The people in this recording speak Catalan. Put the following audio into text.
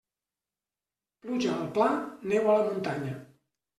Pluja al pla, neu a la muntanya.